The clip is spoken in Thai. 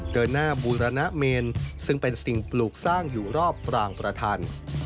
เดินหน้าบูรณเมนซึ่งเป็นสิ่งปลูกสร้างอยู่รอบปรางประธาน